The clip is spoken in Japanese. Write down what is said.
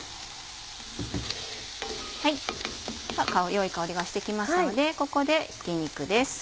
良い香りがしてきましたのでここでひき肉です。